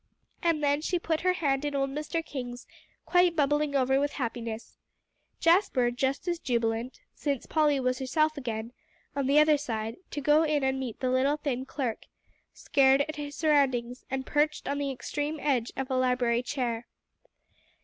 And then she put her hand in old Mr. King's, quite bubbling over with happiness, Jasper, just as jubilant, since Polly was herself again, on the other side, to go in and meet the little, thin clerk, scared at his surroundings, and perched on the extreme edge of a library chair.